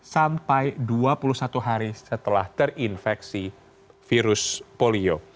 sampai dua puluh satu hari setelah terinfeksi virus polio